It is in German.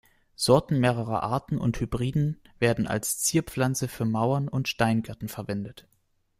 Sorten mehrerer Arten und Hybriden werden als Zierpflanzen für Mauern und Steingärten verwendet.